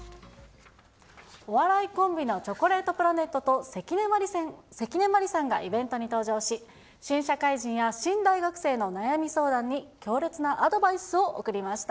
お笑いコンビのチョコレートプラネットと、関根麻里さんがイベントに登場し、新社会人や新大学生の悩み相談に強烈なアドバイスを送りました。